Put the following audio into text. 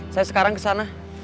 saya sekarang kesana